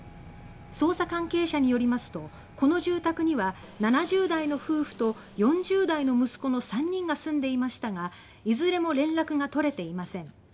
捜査関係者によりますとこの住宅には７０代の夫婦と４０代の息子の３人が住んでいましたがいずれも連絡が取れていません。